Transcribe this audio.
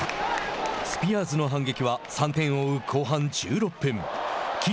スピアーズの反撃は３点を追う後半１６分。